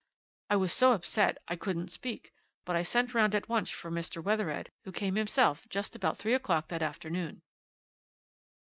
I was so upset I couldn't speak; but I sent round at once for Mr. Wethered, who came himself just about three o'clock that afternoon.